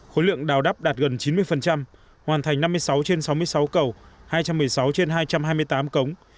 khối lượng đào đắp đạt gần chín mươi hoàn thành năm mươi sáu trên sáu mươi sáu cầu hai trăm một mươi sáu trên hai trăm hai mươi tám cống